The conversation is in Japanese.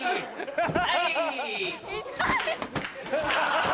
ハハハ！